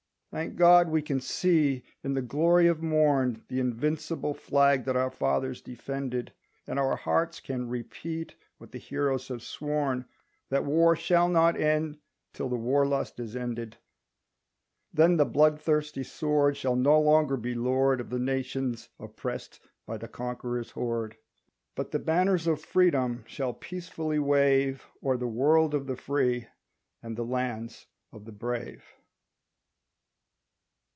Thank God we can see, in the glory of morn, The invincible flag that our fathers defended; And our hearts can repeat what the heroes have sworn, That war shall not end till the war lust is ended, Then the bloodthirsty sword shall no longer be lord Of the nations oppressed by the conqueror's horde, But the banners of freedom shall peacefully wave O'er the world of the free and the lands of the brave.